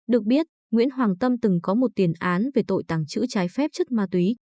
được biết nguyễn hoàng tâm từng có một tiền án về tội tàng trữ trái phép chất ma túy